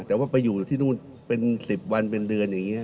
แต่ว่าไปอยู่ที่นู่นเป็น๑๐วันเป็นเดือนอย่างนี้